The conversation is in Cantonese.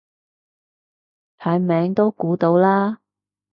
睇名都估到啦